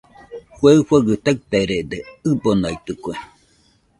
Kue ifɨgɨ taɨtarede, ɨbonaitɨkue